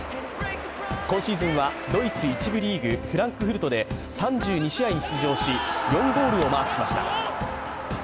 今シーズンはドイツ１部リーグ・フランクフルトで３２試合に出場し、４ゴールをマークしました。